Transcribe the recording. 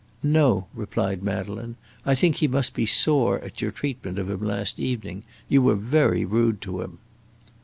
"No," replied Madeleine; "I think he must be sore at your treatment of him last evening. You were very rude to him."